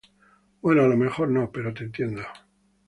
Bueno a lo mejor no, pero te entiendo.